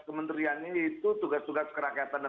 kementerian ini itu tugas tugas kerakyatannya